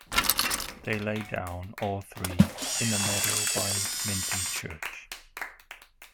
They lay down, all three, in a meadow by Minton Church.